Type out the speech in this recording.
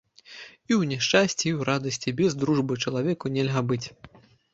І ў няшчасці, і ў радасці без дружбы чалавеку нельга быць.